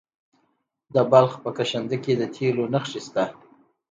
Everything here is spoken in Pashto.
د بلخ په کشنده کې د تیلو نښې شته.